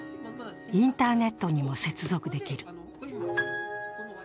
インターネットにも接続できる。